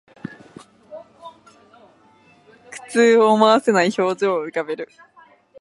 苦痛を思わせない表情を浮かべる